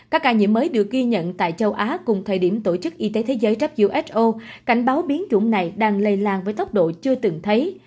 các ca nhiễm mới được ghi nhận tại châu á cùng thời điểm tổ chức y tế thế giới who cảnh báo biến chủng này đang lây lan với tốc độ chưa từng thấy